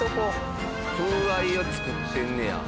風合いを作ってんねや。